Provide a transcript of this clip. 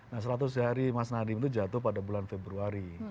nah seratus hari mas nadiem itu jatuh pada bulan februari